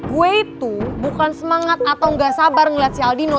gue itu bukan semangat atau gak sabar melihat si aldino